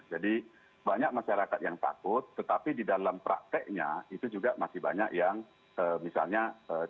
jadi banyak masyarakat yang takut tetapi di dalam prakteknya itu juga masih banyak yang misalnya tidak menunjukkan kebenaran